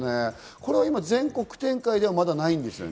これは全国展開ではまだないんですね。